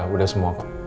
udah semua pak